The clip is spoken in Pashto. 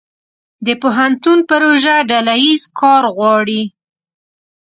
د پوهنتون پروژه ډله ییز کار غواړي.